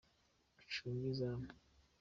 ucunge izamu.